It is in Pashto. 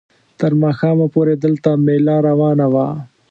تر ماښامه پورې دلته مېله روانه وه.